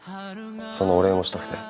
そのお礼をしたくて。